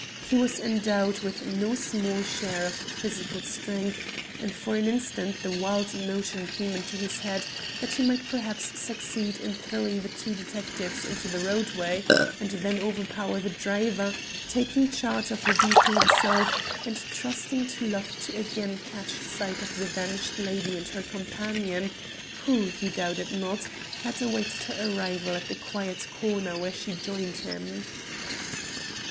He was endowed with no small share of physical strength, and for an instant the wild notion came into his head that he might perhaps succeed in throwing the two detectives into the roadway and then overpower the driver, taking charge of the vehicle himself and trusting to luck to again catch sight of the vanished lady and her companion, who, he doubted not, had awaited her arrival at the quiet corner where she joined him.